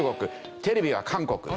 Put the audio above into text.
テレビは韓国。